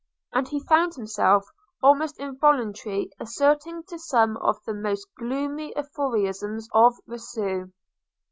and he found himself almost involuntarily assenting to some of the most gloomy aphorisms of Rousseau.